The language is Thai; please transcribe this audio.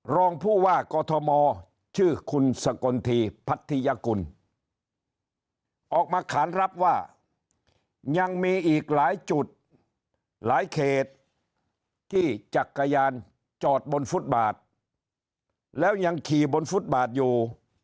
รองผู้ว่ากอทมชื่อคุณสกลทีพัทยกุลออกมาขานรับว่ายังมีอีกหลายจุดหลายเขตที่จักรยานจอดบนฟุตบาทแล้วยังขี่บนฟุตบาทอยู่